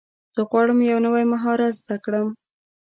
زه غواړم یو نوی مهارت زده کړم.